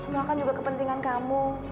semua kan juga kepentingan kamu